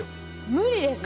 無理です。